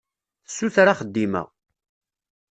Tessuter axeddim-a.